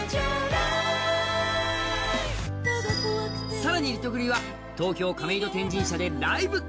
更にリトグリは東京・亀戸天神社でライブ。